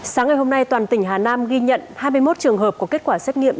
sáng ngày hôm nay toàn tỉnh hà nam ghi nhận hai mươi một trường hợp có kết quả xét nghiệm